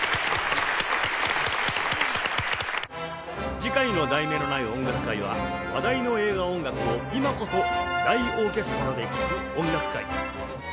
次回の『題名のない音楽会』は「話題の映画音楽を今こそ大オーケストラで聴く音楽会」